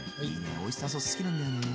オイスターソース好きなんだよね。